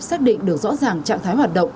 xác định được rõ ràng trạng thái hoạt động